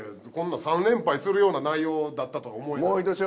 こんな３連敗するような内容だったとは思えない。